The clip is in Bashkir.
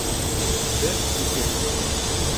Бер-ике